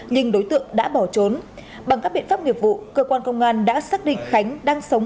nhưng đối tượng đã bỏ trốn bằng các biện pháp nghiệp vụ cơ quan công an đã xác định khánh đang sống